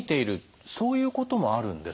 そういうこともあるんですか？